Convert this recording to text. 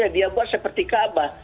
dia buat seperti ka'bah